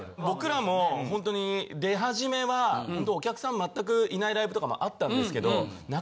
僕らもホントに出始めはお客さん全くいないライブとかもあったんですけど